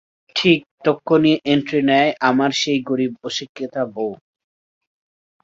ঠিক তক্ষুণি এন্ট্রি নেয় আমার সেই গরীব অশিক্ষিতা বউ।